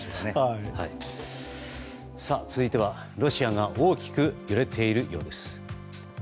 続いてはロシアが大きく揺れているようです。